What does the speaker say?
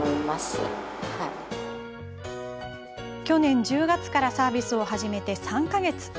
去年１０月からサービスを始めて３か月。